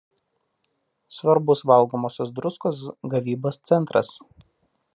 Svarbus valgomosios druskos gavybos centras.